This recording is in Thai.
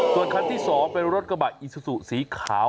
ส่วนคันที่๒เป็นรถกระบะอิซูซูสีขาว